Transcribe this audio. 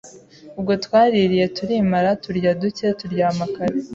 Ubwo twaririye turimara, turya ducye, turyama kare.